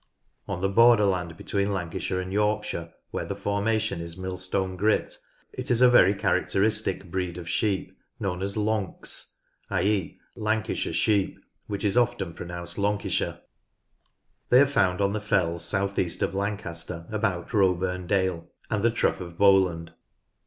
On the borderland between Lancashire and York shire, where the formation is Millstone Grit, is a very characteristic breed of sheep known as "Lonks" (i.e. Lancashire sheep, which is often pronounced " Lonki Lonks" Sheep on Millstone Grit Fells shire "). They are found on the fells south east ot Lancaster about Roeburn Dale and the Trough of Bowland.